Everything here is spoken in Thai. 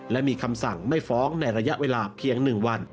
และมีคำสั่งไม่ฟ้องในระยะเวลาเพียง๑วัน